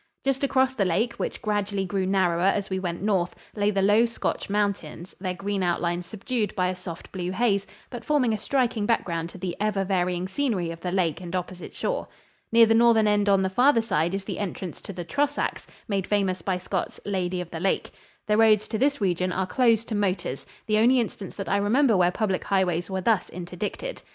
Just across the lake, which gradually grew narrower as we went north, lay the low Scotch mountains, their green outlines subdued by a soft blue haze, but forming a striking background to the ever varying scenery of the lake and opposite shore. Near the northern end on the farther side is the entrance to the Trosachs, made famous by Scott's "Lady of the Lake." The roads to this region are closed to motors the only instance that I remember where public highways were thus interdicted.